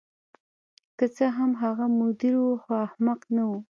که څه هم هغه مدیر و خو احمق نه و